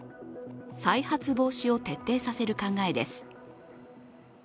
再発防止を徹底させる考です。